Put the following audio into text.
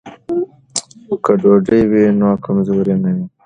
که ډوډۍ وي نو کمزوري نه وي.